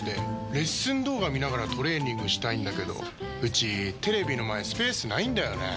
レッスン動画見ながらトレーニングしたいんだけどうちテレビの前スペースないんだよねー。